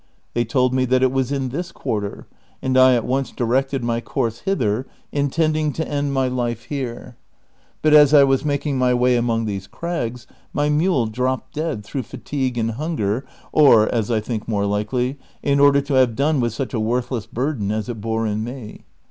They told me that it was in this quarter, and I at once directed my course hither, intending to end my life here ; but as I was making my way among these crags, my mule dropped dead through fatigue and hunger, or, as I think more likely, in order to have done with such a worthless burden as it bore in me.